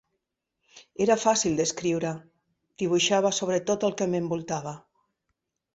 Era fàcil d'escriure, dibuixava sobre tot el que m'envoltava.